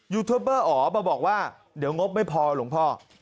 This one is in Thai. เทปเบอร์อ๋อมาบอกว่าเดี๋ยวงบไม่พอหลวงพ่อ